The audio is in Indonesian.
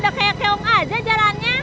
udah kayak keong aja jalannya